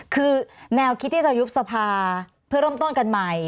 คือแนวคิดที่จะยุบสภาเพื่อเริ่มต้นกันใหม่